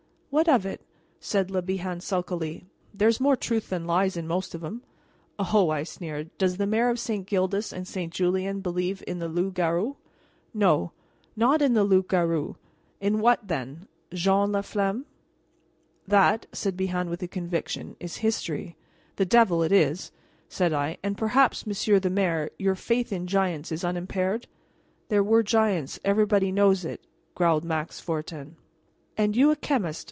"What of it?" said Le Bihan sulkily; "there's more truth than lies in most of 'em." "Oh!" I sneered, "does the Mayor of St. Gildas and St. Julien believe in the loup garou?" "No, not in the loup garou." "In what, then Jeanne la Flamme?" "That," said Le Bihan with conviction, "is history." "The devil it is!" said I; "and perhaps, Monsieur the mayor, your faith in giants is unimpaired?" "There were giants everybody knows it," growled Max Fortin. "And you a chemist!"